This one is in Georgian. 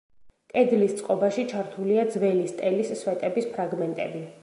კედლის წყობაში ჩართულია ძველი სტელის სვეტების ფრაგმენტები.